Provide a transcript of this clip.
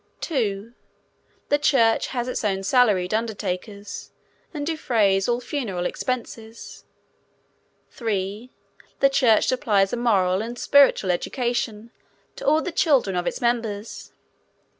2. The church has its own salaried undertakers, and defrays all funeral expenses. 3. The church supplies a moral and spiritual education to all the children of its members.